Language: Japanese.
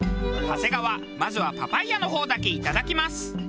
長谷川まずはパパイアの方だけいただきます。